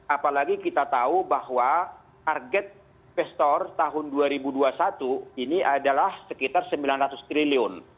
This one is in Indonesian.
apalagi kita tahu bahwa target investor tahun dua ribu dua puluh satu ini adalah sekitar rp sembilan ratus triliun